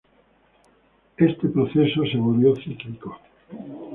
Este proceso se volvió cíclico.